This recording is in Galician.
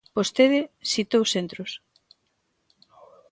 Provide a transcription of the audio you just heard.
Vostede citou centros.